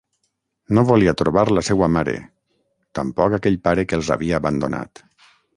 No volia trobar la seua mare, tampoc aquell pare que els havia abandonat.